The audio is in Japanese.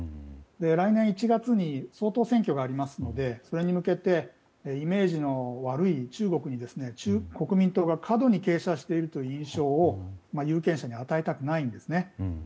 来年一月に総統選挙がありますのでそれに向けてイメージの悪い中国に国民党が過度に傾斜しているという印象を有権者に与えたくないんですね。